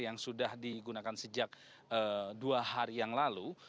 yang sudah digunakan sejak dua hari yang lalu